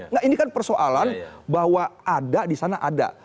nah ini kan persoalan bahwa ada di sana ada